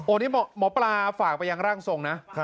อันนี้หมอปลาฝากไปยังร่างทรงนะ